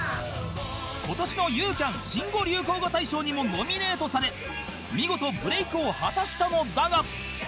今年のユーキャン新語・流行語大賞にもノミネートされ見事ブレークを果たしたのだが